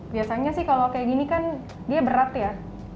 biasanya sih kalau kayak gini kan dia berat ya